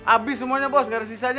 abis semuanya bos gak ada sisi lagi